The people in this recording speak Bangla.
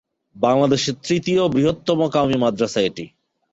বাংলাদেশের তৃতীয় বৃহত্তম কওমি মাদ্রাসা এটি।